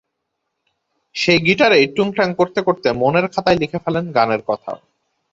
সেই গিটারেই টুংটাং করতে করতে মনের খাতায় লিখে ফেলেন গানের কথাও।